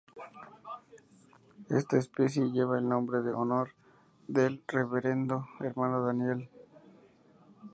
Esta especie lleva el nombre en honor del Reverendo Hermano Daniel.